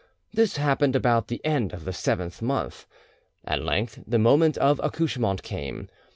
This happened about the end of the seventh month. At length the moment of accouchement came.